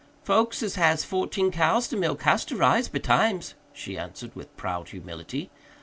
"Folks as has fourteen cows to milk has to rise betimes," she answered with proud humility.